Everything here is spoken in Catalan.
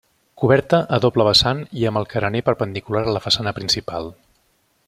Coberta a doble vessant i amb el carener perpendicular a la façana principal.